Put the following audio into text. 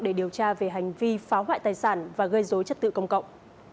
để điều tra về hành vi phá hoại tài sản và gây dối trật tự công cộng